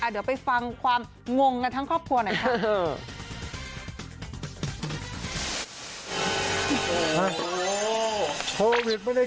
เดี๋ยวไปฟังความงงกันทั้งครอบครัวหน่อยค่ะ